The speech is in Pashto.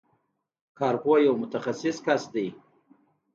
کارپوه یو متخصص کس دی.